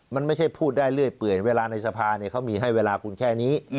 มันไม่ใช่พูดได้เรื่อยเปื่อยเวลาในสภาเขามีให้เวลาคุณแค่นี้